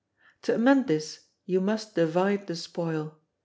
To amend this, you must divide the spoil.